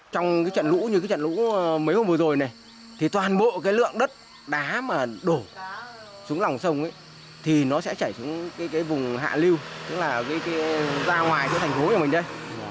trong trận lũ như trận lũ mấy hôm vừa rồi này toàn bộ lượng đất đá mà đổ xuống lòng sông thì nó sẽ chảy xuống vùng hạ lưu tức là ra ngoài thành phố của mình đây